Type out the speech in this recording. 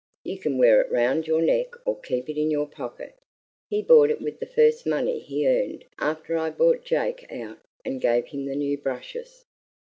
You can wear it round your neck or keep it in your pocket. He bought it with the first money he earned after I bought Jake out and gave him the new brushes.